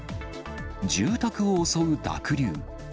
住宅を襲う濁流。